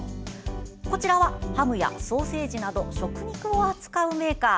こちらはハムやソーセージなど食肉を扱うメーカー。